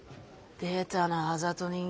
出たなあざと人間。